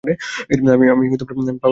আমি পাপা জন্সে ঢুকে পড়েছি।